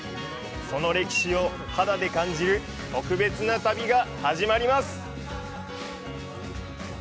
その歴史を肌で感じる特別な旅が始まります！